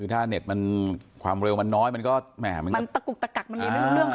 ถ้าเน็ตมันความเร็วมันน้อยมันก็มันตะกุกตะกักกมันอย่างนี้เรื่องค่ะ